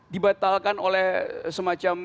dibatalkan oleh semacam